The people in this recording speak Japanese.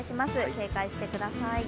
警戒してください。